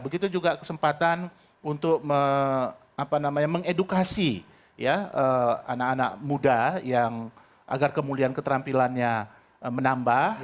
begitu juga kesempatan untuk mengedukasi anak anak muda yang agar kemuliaan keterampilannya menambah